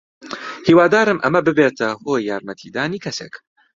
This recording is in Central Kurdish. هیوادارم ئەمە ببێتە هۆی یارمەتیدانی کەسێک.